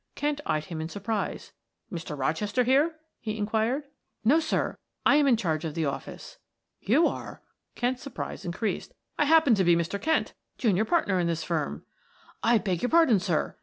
Kent eyed him in surprise. "Mr. Rochester here?" he inquired. "No, sir. It am in charge of the office." "You are!" Kent's surprise increased. "I happen to be Mr. Kent, junior partner in this firm." "I beg your pardon, sir."